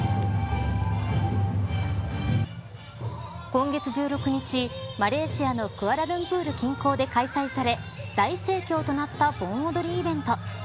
今月１６日マレーシアのクアラルンプール近郊で開催され大盛況となった盆踊りイベント。